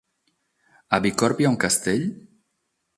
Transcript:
A Bicorb hi ha un castell?